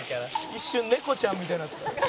「一瞬猫ちゃんみたいになってた」